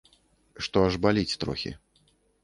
Што аж баліць трохі.